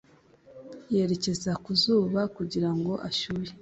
yerekeza ku izuba kugirango ashyuhe